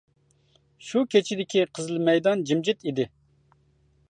شۇ كېچىدىكى قىزىل مەيدان جىمجىت ئىدى.